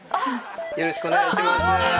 よろしくお願いします。